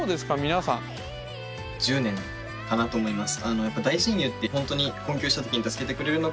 １０年かなと思います。